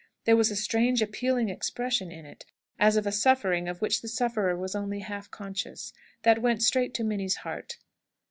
There was a strange appealing expression in it, as of a suffering of which the sufferer was only half conscious, that went straight to Minnie's heart.